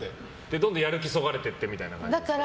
どんどんやる気がそがれていってみたいな感じですか？